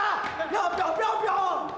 ピョンピョンピョンピョン！